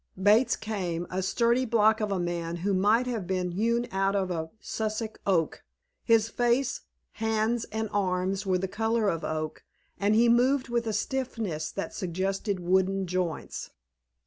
Bates came, a sturdy block of a man who might have been hewn out of a Sussex oak. His face, hands, and arms were the color of oak, and he moved with a stiffness that suggested wooden joints.